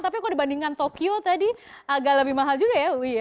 tapi kalau dibandingkan tokyo tadi agak lebih mahal juga ya ui ya